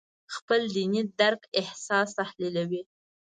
خپل دیني درک اساس تحلیلوي.